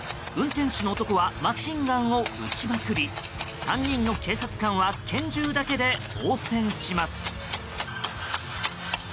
運転手の男はマシンガンを撃ちまくり３人の警察官は拳銃だけで応戦します。